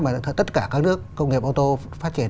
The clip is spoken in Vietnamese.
mà tất cả các nước công nghiệp ô tô phát triển